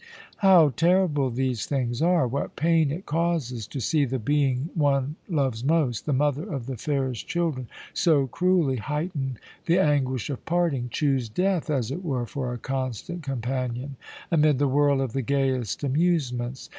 "How terrible these things are! What pain it causes to see the being one loves most, the mother of the fairest children, so cruelly heighten the anguish of parting, choose death, as it were, for a constant companion, amid the whirl of the gayest amusements!